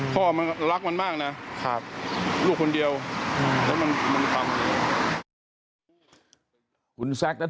พ่อมันรักมันมากนะครับลูกคนเดียวอืม